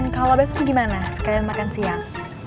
kalau besok gimana sekalian makan siang